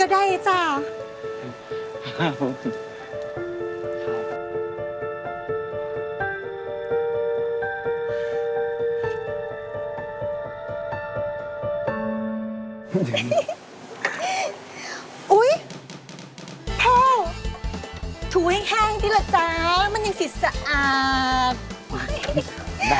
โอ๊ยแฮงถูงเองแห้งดิเหรอจ๊ะมันยังสิดสะอาบ